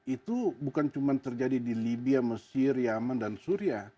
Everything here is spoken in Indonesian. itu bukan cuma terjadi di libya mesir yemen dan syria